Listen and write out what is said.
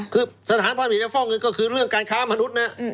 คือสถานความผิดจะฟอกเงินก็คือเรื่องการค้ามนุษย์นะ